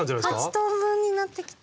８等分になってきた。